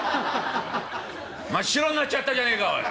真っ白になっちゃったじゃねえかおい。